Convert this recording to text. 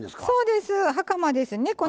そうですはかまですね。